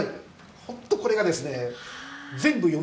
ホントこれがですね。